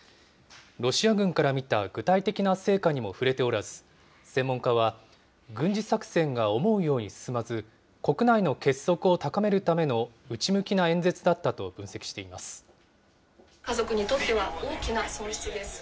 ロシア軍から見た具体的な成果にも触れておらず、専門家は軍事作戦が思うように進まず、国内の結束を高めるための内向きな演説だったと分析しています。